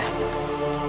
aku ingin ikut dengan anda